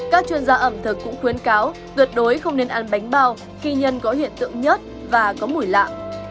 các chuyên gia ẩm thực cũng khuyến cáo tuyệt đối không nên ăn bánh bao khi nhân có hiện tượng nhớt và có mùi lạ